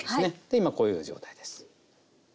今こういう状態です。